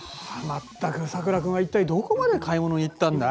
まったくさくら君は一体どこまで買い物に行ったんだ？